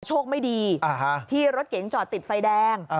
โชคไม่ดีที่รถเก๋งจอดติดไฟแดง